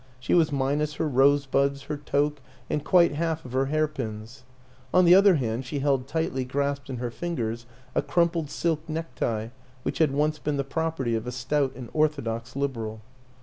She was minus her rosebuds, her toque and quite half of her hairpins; on the other hand, she held tightly grasped in her fingers a crumpled silk necktie which had once been the property of a stout and orthodox Liberal.